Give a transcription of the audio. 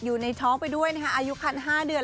อยู่ในท้องไปด้วยนะคะอายุคัน๕เดือน